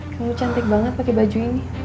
kamu cantik banget pakai baju ini